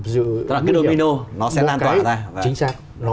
tức là cái domino nó sẽ lan tỏa ra